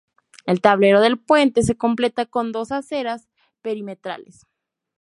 El tablero del puente se completa con dos aceras perimetrales.